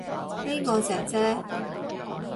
呢個姐姐